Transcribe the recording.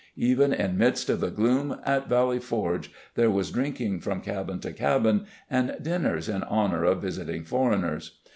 Even in midst of the gloom at Valley Forge there was drinking from cabin to cabin and dinners in honor of visiting foreigners.